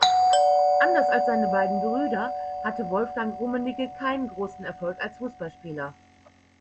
Anders als seine beiden Brüder hatte Wolfgang Rummenigge keinen großen Erfolg als Fußballspieler.